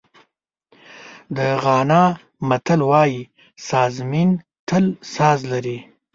د غانا متل وایي سازمېن تل ساز لري.